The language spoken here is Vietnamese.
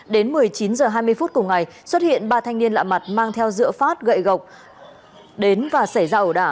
đến một mươi chín h hai mươi phút cùng ngày xuất hiện ba thanh niên lạ mặt mang theo dựa phát gậy gộc đến và xảy ra ẩu đả